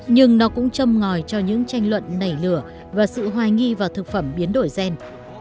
nhưng nó cũng châm ngòi cho những tranh luận nảy lửa và sự hoài nghi vào thực phẩm biến đổi gen